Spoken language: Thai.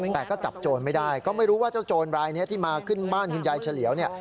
แต่ก็จับโจรไม่ได้ก็ไม่รู้ว่าเจ้าโจรรายนี้ที่มาขึ้นบ้านคุณยายเฉลียวเนี่ย